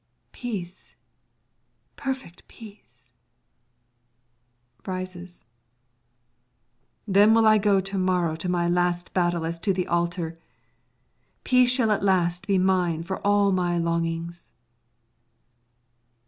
Peace, perfect peace! [Rises.] Then will I go to morrow to my last battle as to the altar; peace shall at last be mine for all my longings.